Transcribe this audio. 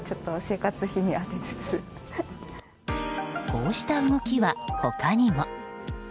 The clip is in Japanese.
こうした動きは他にも。